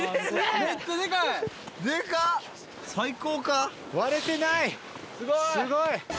すごい！